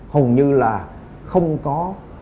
hầu như là không có